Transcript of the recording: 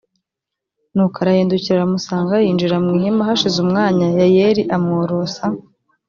nuko arahindukira aramusanga yinjira mu ihema hashize umwanya yayeli amworosa